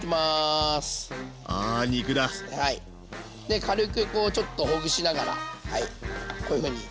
で軽くこうちょっとほぐしながらこういうふうに。